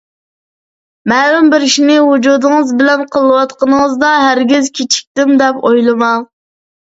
مەلۇم بىر ئىشنى ۋۇجۇدىڭىز بىلەن قىلىۋاتقىنىڭىزدا، ھەرگىز كېچىكتىم دەپ ئويلىماڭ.